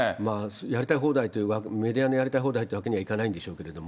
やりたい放題という、メディアのやりたい放題というわけにはいかないんでしょうけども。